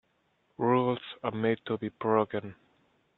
Rules are made to be broken.